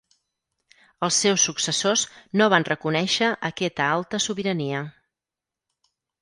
Els seus successors no van reconèixer aquesta alta sobirania.